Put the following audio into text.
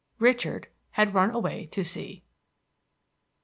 Richard had run away to sea.